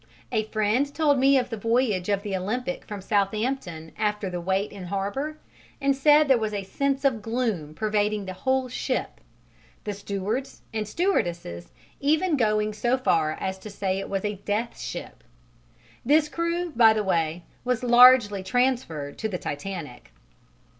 A friend told me of the voyage of the Olympic from Southampton after the wait in harbour, and said there was a sense of gloom pervading the whole ship: the stewards and stewardesses even going so far as to say it was a "death ship." This crew, by the way, was largely transferred to the Titanic.